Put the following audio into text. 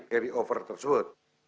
dari over tersebut